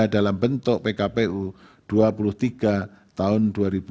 dalam bentuk pkpu dua puluh tiga tahun dua ribu dua puluh